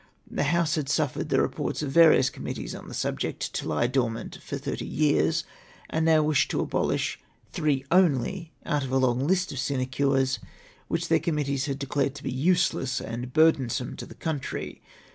The House had suffered the reports of various committees on the subject to lie dormant for thirty years, and now wished to abolish three only out of the long list of sinecures, which theu' committees had declared to be useless and bmxlensome to the country.